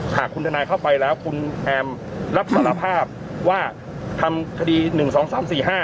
หากคุณทนายเข้าไปแล้วคุณแอมรับสารภาพว่าทำคดีหนึ่งสองสามสี่ห้า